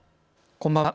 こんばんは。